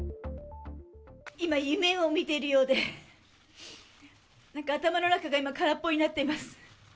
今、夢を見ているようで、頭の中が今、空っぽになっています。